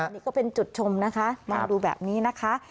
นี่ก็เป็นจุดชมนะคะมองดูแบบนี้นะคะ